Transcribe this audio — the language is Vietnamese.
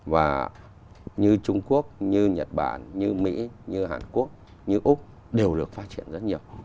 và như trung quốc như nhật bản như mỹ như hàn quốc như úc đều được phát triển rất nhiều